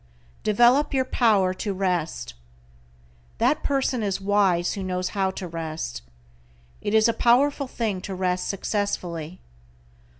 =DEVELOP YOUR POWER TO REST:= That person is wise who knows how to rest. It is a powerful thing to rest successfully.